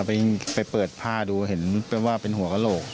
ไปเปิดผ้าดูเห็นแบบว่าเป็นหัวกระโหลก